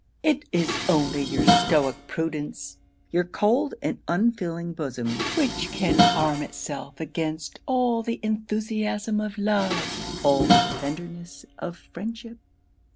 It is only your Stoic prudence, your cold and unfeeling bosom, which can arm itself against all the enthusiasm of love, all the tenderness of friendship.